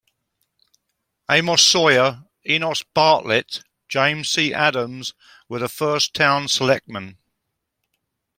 Amos Sawyer, Enos Bartlett, James C. Adams were the first town selectman.